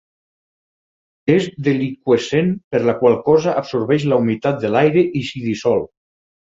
És deliqüescent per la qual cosa absorbeix la humitat de l'aire i s'hi dissol.